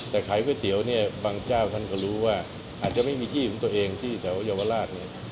แต่ขายก๋วยเตี๋ยวเนี่ยบางเจ้าท่านก็รู้ว่าอาจจะไม่มีที่ของตัวเองที่แถวเยาวราชเนี่ย